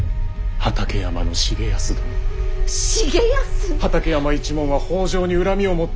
畠山一門は北条に恨みを持っております。